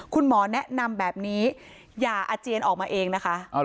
คุณหมอแนะนำแบบนี้อย่าอาเจียนออกมาเองนะคะ